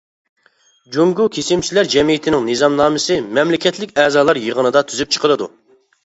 جۇڭگو كېسىمچىلەر جەمئىيىتىنىڭ نىزامنامىسى مەملىكەتلىك ئەزالار يىغىنىدا تۈزۈپ چىقىلىدۇ.